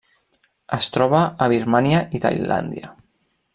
Es troba a Birmània i Tailàndia.